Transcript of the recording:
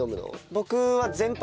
僕は。